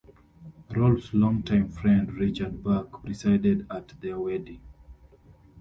Rolfe's longtime friend, Richard Buck, presided at their wedding.